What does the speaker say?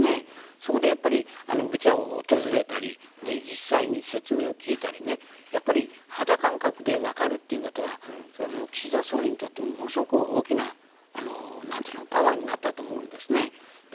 そこでやっぱりブチャを訪れたり実際に説明を聞いたり肌感覚で分かるということは岸田総理にとってもものすごく大きなパワーになったと思うんです。